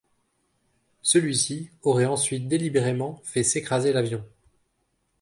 Celui-ci aurait ensuite délibérément fait s'écraser l'avion.